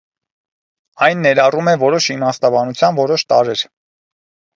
Այն ներառում է որոշ իմաստաբանության որոշ տարրեր։